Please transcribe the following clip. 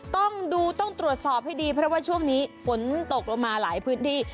ต้องดูต้องตรวจสอบให้ดีเพราะว่าช่วงนี้ฝนตกลงมาหลายพื้นที่